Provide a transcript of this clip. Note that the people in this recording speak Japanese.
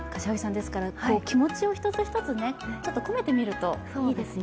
気持ちを一つ一つ込めてみるといいですよね。